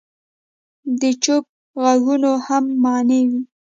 د چوپ ږغونو هم معنی وي.